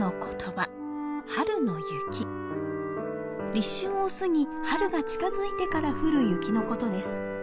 立春を過ぎ春が近づいてから降る雪のことです。